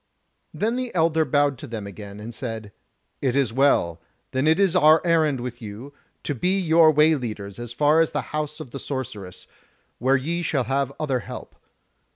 Then the elder bowed to them again, and said: "It is well; then is this our errand with you, to be your way leaders as far as the House of the Sorceress, where ye shall have other help.